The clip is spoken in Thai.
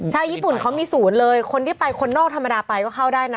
ญี่ปุ่นเขามีศูนย์เลยคนที่ไปคนนอกธรรมดาไปก็เข้าได้นะ